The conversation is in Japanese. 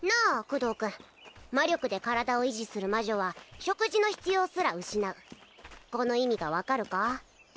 クドー君魔力で体を維持する魔女は食事の必要すら失うこの意味が分かるか？